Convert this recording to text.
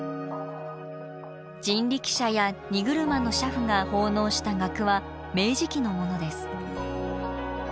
人力車や荷車の車夫が奉納した額は明治期のものです。